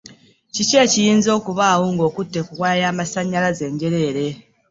Kiki ekiyinza okubaawo ng'okkute ku waya y'amasannyalaze enjereere.